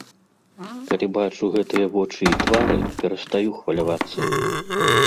Калі бачу гэтыя вочы і твары, перастаю хвалявацца.